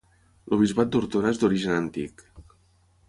El bisbat d'Ortona és d'origen antic.